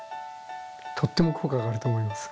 とっても効果が上がると思います。